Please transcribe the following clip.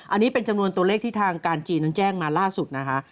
อันนี้เป็นจำนวนตัวเลขที่ทางการจีนนั้นแจ้งมาล่าสุดนะคะ